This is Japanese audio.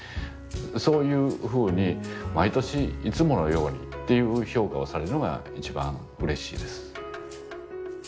そういうふうに毎年「いつものように」っていう評価をされるのが一番うれしいです。